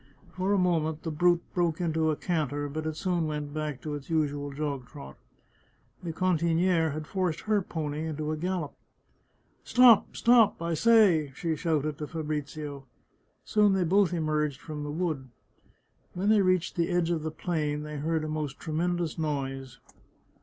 For a moment the brute broke into a can ter, but it soon went back to its usual jog trot. The can tiniere had forced her pony into a gallop. " Stop ! stop ! I say !" she shouted to Fabrizio. Soon they both emerged from the wood. When they reached the edge of the plain they heard a most tremendous noise.